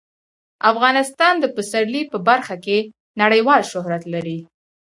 افغانستان د پسرلی په برخه کې نړیوال شهرت لري.